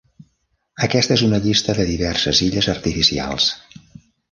Aquesta és una llista de diverses illes artificials.